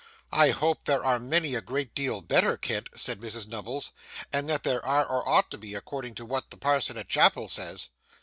'I hope there are many a great deal better, Kit,' said Mrs Nubbles; 'and that there are, or ought to be, accordin' to what the parson at chapel says.